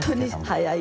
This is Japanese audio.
はい。